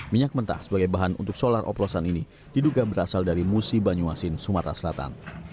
minyak mentah sebagai bahan untuk solar oplosan ini diduga berasal dari musi banyuasin sumatera selatan